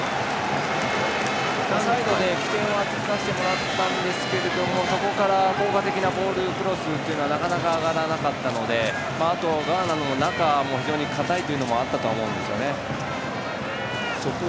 サイドで起点を作らせてもらったんがそこから効果的なボールクロスというのはなかなか上がらなかったのであとはガーナの中も非常に堅いというのはあったと思うんですよね。